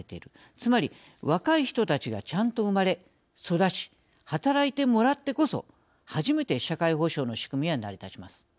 つまり若い人たちがちゃんと産まれ育ち働いてもらってこそ初めて社会保障の仕組みは成り立ちます。